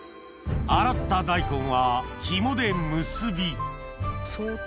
洗った大根はひもで結びそっと。